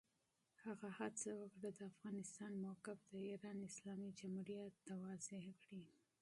هغه هڅه وکړه، د افغانستان موقف د ایران اسلامي جمهوریت ته واضح کړي.